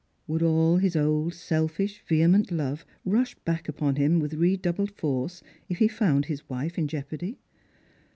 Would all his old selfish vehement love rush back upon him with redoubled force if he found his wife in jeopardy